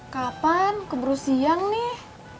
kapan keburu siang nih